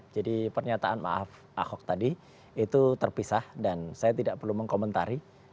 jadi pernyataan maaf ahok tadi itu terpisah dan saya tidak perlu mengkomentari